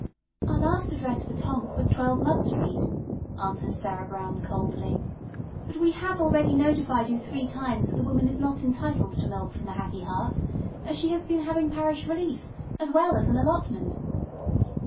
"Our last address for Tonk was 12 Mud Street," answered Sarah Brown coldly. "But we have already notified you three times that the woman is not entitled to milk from the Happy Hearts, as she has been having parish relief, as well as an allotment."